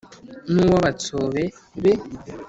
n 'uw abatsobe be